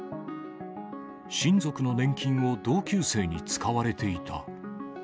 親族の年金を同級生に使われていた。